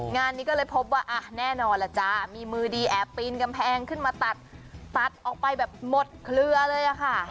งานนี้ก็เลยพบว่าอ่ะแน่นอนล่ะจ๊ะมีมือดีแอบปีนกำแพงขึ้นมาตัดตัดออกไปแบบหมดเคลือเลยอะค่ะ